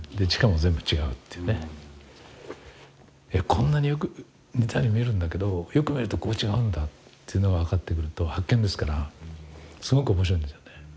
こんなによく似たように見えるんだけどよく見るとここ違うんだというのが分かってくると発見ですからすごく面白いんですよね。